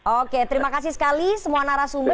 oke terima kasih sekali semua narasumber